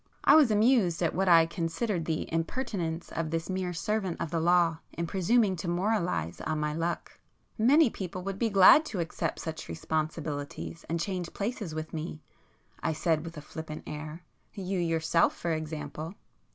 I was amused at what I considered the impertinence of this mere servant of the law in presuming to moralize on my luck. "Many people would be glad to accept such responsibilities and change places with me"—I said with a flippant air—"You yourself, for example?"